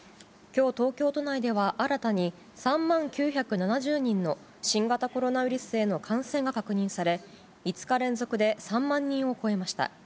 きょう、東京都内では新たに３万９７０人の新型コロナウイルスへの感染が確認され、５日連続で３万人を超えました。